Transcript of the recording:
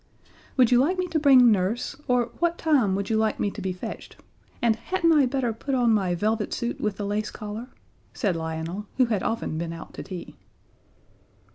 "Would you like me to bring Nurse, or what time would you like me to be fetched, and hadn't I better put on my velvet suit with the lace collar?" said Lionel, who had often been out to tea.